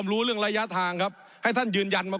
ผมอภิปรายเรื่องการขยายสมภาษณ์รถไฟฟ้าสายสีเขียวนะครับ